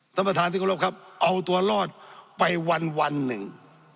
ท่านประธานติกรบครับเอาตัวรอดไปวันวันหนึ่ง